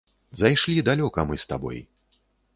Зайшлі далёка мы з табой.